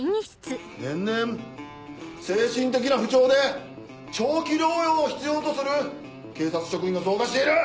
年々精神的な不調で長期療養を必要とする警察職員が増加している！